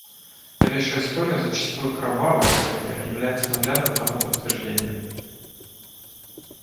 Новейшая история, зачастую кровавая история, является наглядным тому подтверждением.